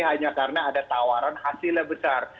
hanya karena ada tawaran hasilnya besar